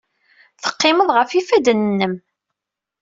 Teqqimeḍ ɣef yifadden-nnem.